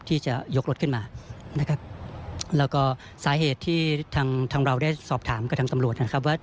ที่จะยกรถขึ้นมานะครับแล้วก็สาเหตุที่ทางทางเราได้สอบถามกับทางตำรวจนะครับว่า